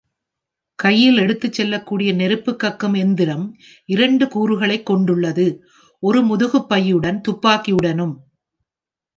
கையில் எடுத்துச் செல்லக்கூடிய நெருப்புக் கக்கும் எந்திரம் இரண்டு கூறுகளைக் கொண்டுள்ளது: ஒரு முதுகுப் பையுடனும் துப்பாக்கியுடனும்.